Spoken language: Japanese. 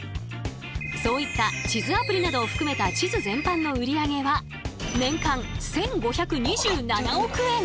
そういった地図アプリなどを含めた地図全般の売り上げは年間１，５２７億円！